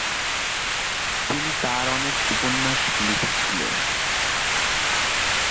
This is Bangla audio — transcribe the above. তিনি তার অনেক উপন্যাস লিখেছিলেন।